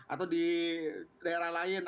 atau di daerah lain